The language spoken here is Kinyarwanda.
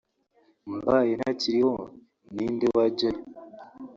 mbaye ntakiriho ni nde wajyayo”